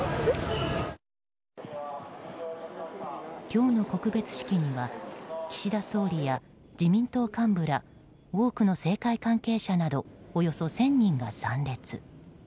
今日の告別式には岸田総理や自民党幹部ら多くの政界関係者などおよそ１０００人が参列。